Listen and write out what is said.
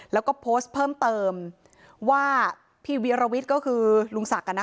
แล้วก็โพสต์เพิ่มเติมว่าพี่วิรวิทย์ก็คือลุงศักดิ์